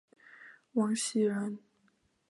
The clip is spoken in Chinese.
王袭人。